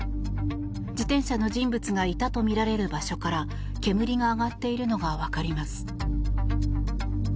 自転車の人物がいたとみられる場所から煙が上がっているのがわかります。